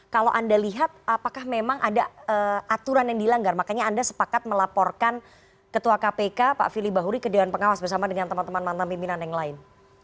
kalau anda lihat apakah memang ada aturan yang dilanggar makanya anda sepakat melaporkan ketua kpk pak fili bahuri ke dewan pengawas bersama dengan teman teman mantan pimpinan yang lain